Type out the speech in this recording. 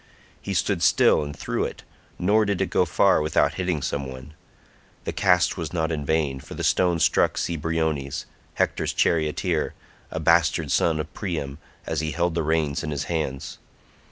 He stood still and threw it, nor did it go far without hitting some one; the cast was not in vain, for the stone struck Cebriones, Hector's charioteer, a bastard son of Priam, as he held the reins in his hands.